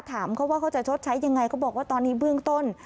ถามเขาว่าเขาจะชดใช้ยังไงเขาบอกว่าตอนนี้เบื้องต้น